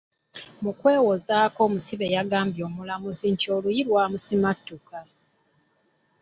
Mu kwewozaako omusibe yagambye omulamuzi nti oluyi lwamusimattuka.